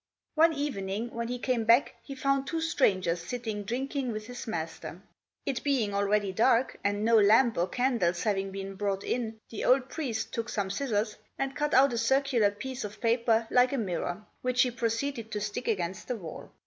One evening when he came back he found two strangers sitting drinking with his master. It being already dark, and no lamp or candles having been brought in, the old priest took some scissors and cut out a circular piece of paper like a mirror, which he proceeded to stick against the wall.